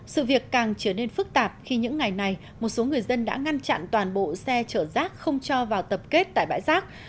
sự việc càng trở nên phức tạp khi những ngày này một số người dân đã ngăn chặn toàn bộ xe chở rác không cho vào tập kết tại bãi rác